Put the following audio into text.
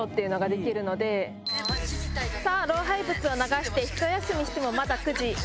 さぁ老廃物を流して一休みしてもまだ９時。